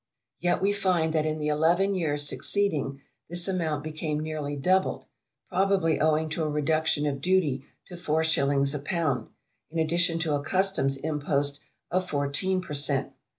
Yet we find that in the eleven years succeeding, this amount became nearly doubled, probably owing to a reduction of duty to four shillings a pound, in addition to a Customs' impost of 14 per cent.